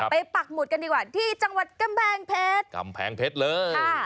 ปักหมุดกันดีกว่าที่จังหวัดกำแพงเพชรกำแพงเพชรเลย